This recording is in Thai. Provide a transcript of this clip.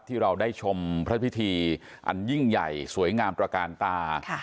ที่เราได้ชมพระพิธีอันยิ่งใหญ่สวยงามตระกาลตา